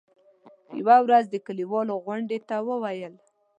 يوه ورځ د کلیوالو غونډې ته وویل.